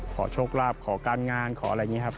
ขอโชคลาภขอการงานขออะไรอย่างนี้ครับ